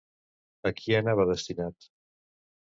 A qui anava destinat?